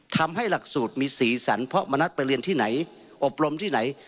ทำให้หลักสูตรมีสีสันเพราะมณัฐไปเรียนที่ไหนอบรมที่ไหน